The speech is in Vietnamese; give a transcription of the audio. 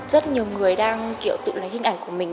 rất nhiều người đang kiểu tự lấy hình ảnh của mình